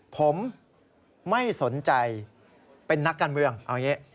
ผมไม่สนใจเป็นนักการเมืองเอาอย่างนี้